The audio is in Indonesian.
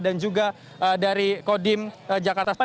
dan juga dari kodim jakarta spad